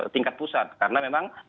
tingkat pusat karena memang